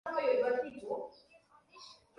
yake hiyo ndiyo sababu wanyamajio wa bonde